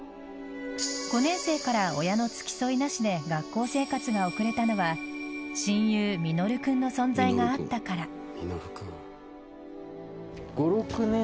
５年生から親の付き添いなしで学校生活を送れたのは親友ミノル君の存在があったから。